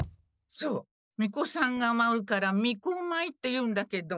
そうみこさんがまうからみこまいっていうんだけど。